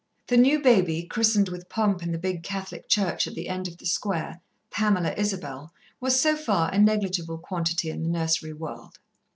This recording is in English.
The new baby, christened with pomp in the big Catholic Church at the end of the Square, Pamela Isabel, was, so far, a neglible quantity in the nursery world.